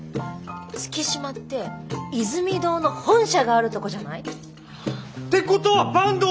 月島ってイズミ堂の本社があるとこじゃない？ってことは坂東さんがスパイ説？